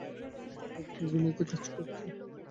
আপনি গিনেইতে কাজ করতেন?